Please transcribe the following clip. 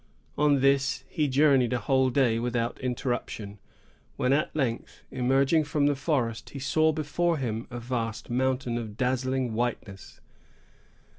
On this he journeyed a whole day without interruption, when at length, emerging from the forest, he saw before him a vast mountain, of dazzling whiteness.